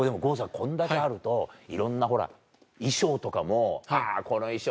こんだけあるといろんなほら衣装とかもこの衣装